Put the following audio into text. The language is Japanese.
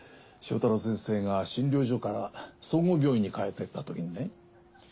正太郎先生が診療所から総合病院に変えていったときにね